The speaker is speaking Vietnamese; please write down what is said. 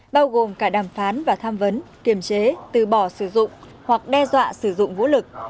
bao gồm cả đàm phán và tham vấn kiềm chế từ bỏ sử dụng hoặc đe dọa sử dụng vũ lực